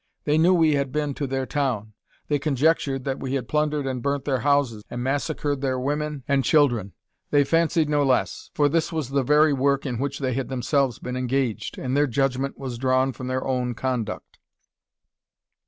They knew we had been to their town. They conjectured that we had plundered and burnt their houses, and massacred their women and children. They fancied no less; for this was the very work in which they had themselves been engaged, and their judgment was drawn from their own conduct.